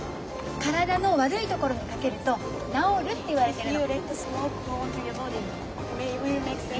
体の悪いところにかけると直るっていわれてるの。